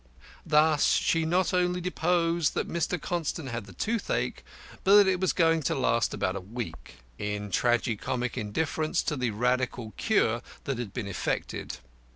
Thus she not only deposed that Mr. Constant had the toothache, but that it was going to last about a week; in tragi comic indifference to the radical cure that had been effected.